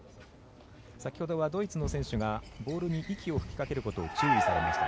先ほどはドイツの選手がボールに息を吹きかけることを注意されました。